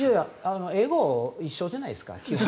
英語は一緒じゃないですか。